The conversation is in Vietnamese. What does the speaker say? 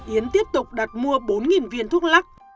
yến tiếp tục đặt mua bốn viên thuốc lắc